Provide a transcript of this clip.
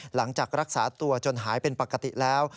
หลังจากรักษาตัวจนหายเป็นปกติแล้ว